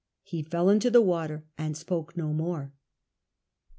He fell into the water and spoke no more.